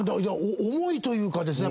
重いというかですね